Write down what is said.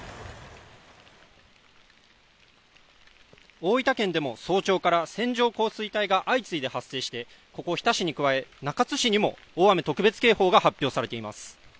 大分県でも早朝から線状降水帯が相次いで発生して、ここ日田市に加え、中津市にも大雨特別警報が発表されています。